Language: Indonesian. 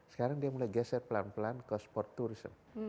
sekarang dia mulai geser pelan pelan ke sport tourism